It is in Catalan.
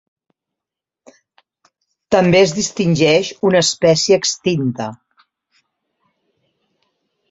També es distingeix una espècie extinta.